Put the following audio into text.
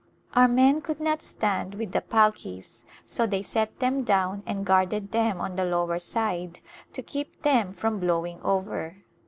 Our men could not stand with the palkis so they set them down and guarded them on the lower side to keep them from blowing over.